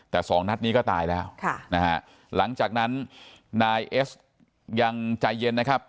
แต่สองนัดนี้ก็ตายแล้วค่ะนะฮะหลังจากนั้นนายเอสยังใจเย็นนะครับ